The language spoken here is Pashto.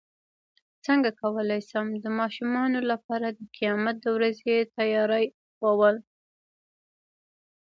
څنګه کولی شم د ماشومانو لپاره د قیامت د ورځې تیاري ښوول